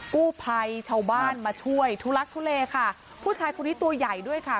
กู้ภัยชาวบ้านมาช่วยทุลักทุเลค่ะผู้ชายคนนี้ตัวใหญ่ด้วยค่ะ